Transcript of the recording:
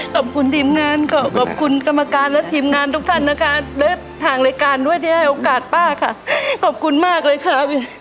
ขอบคุณทีมงานขอขอบคุณกรรมการและทีมงานทุกท่านนะคะและทางรายการด้วยที่ให้โอกาสป้าค่ะขอบคุณมากเลยค่ะ